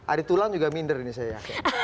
ada tulang juga minder ini saya